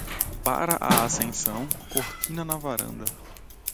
Para a ascensão, cortina na varanda.